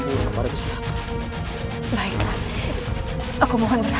itu benar benar aneh